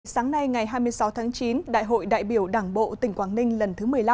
sáng nay ngày hai mươi sáu tháng chín đại hội đại biểu đảng bộ tỉnh quảng ninh lần thứ một mươi năm